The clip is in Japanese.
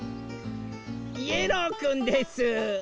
イエローくんです！